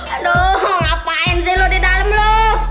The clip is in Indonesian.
aduh ngapain sih lo di dalam lo